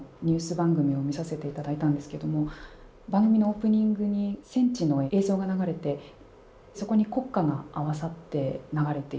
番組を見させていただいたんですけども番組のオープニングに戦地の映像が流れてそこに国歌が合わさって流れている。